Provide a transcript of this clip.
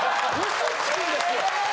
嘘つくんですよ！